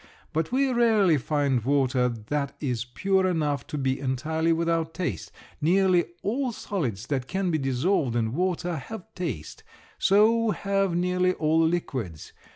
But we rarely find water that is pure enough to be entirely without taste. Nearly all solids that can be dissolved in water have taste. So have nearly all liquids.